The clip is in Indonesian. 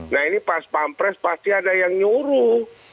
nah ini paspapres pasti ada yang nyuruh